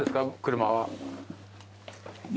車は。